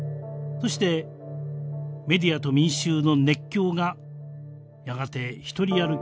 そしてメディアと民衆の熱狂がやがて１人歩きを始めます。